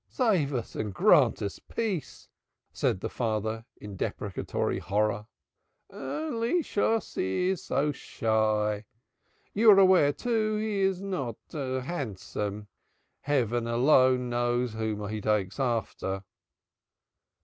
"Save us and grant us peace!" said the father in deprecatory horror. "Only Shosshi is so shy. You are aware, too, he is not handsome. Heaven alone knows whom he takes after."